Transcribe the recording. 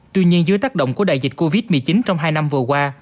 tuy nhiên dưới tác động của đại dịch covid một mươi chín trong hai năm vừa qua